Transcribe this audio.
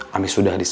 saya sudah tahu pak